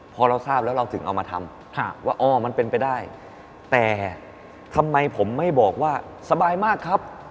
พอเราทราบแล้วเราถึงเอามาทำว่าอ๋อมันเป็นไปได้แต่ทำไมผมไม่บอกว่าสบายมากครับ